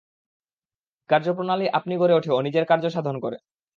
কার্যপ্রণালী আপনি গড়ে ওঠে ও নিজের কার্য সাধন করে।